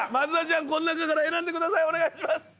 お願いします。